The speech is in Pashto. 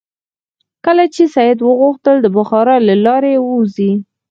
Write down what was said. کله چې سید وغوښتل د بخارا له لارې ووځي.